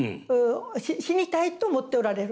死にたいと思っておられる。